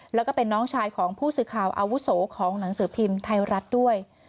แล้วก็เป็นน้องชายของผู้สื่อข่าวอาวุโสของหนังสือพิมพ์ไทยรัฐด้วย